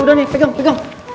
udah nih pegang pegang